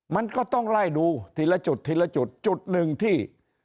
มันก็ต้องไล่ดูทีละจุดทีละจุดจุดหนึ่งที่